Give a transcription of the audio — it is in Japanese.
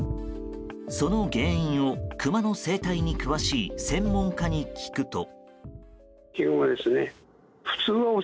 その原因をクマの生態に詳しい専門家に聞くと。